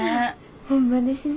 ホンマですね。